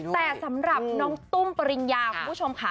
แต่สำหรับน้องตุ้มปริญญาคุณผู้ชมค่ะ